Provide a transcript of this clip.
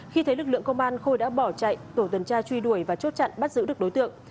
khi thấy lực lượng công an khôi đã bỏ chạy tổ tuần tra truy đuổi và chốt chặn bắt giữ được đối tượng